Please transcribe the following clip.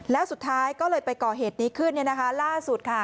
แล้วสุดท้ายก็เลยไปก่อเหตุนี้ขึ้นล่าสุดค่ะ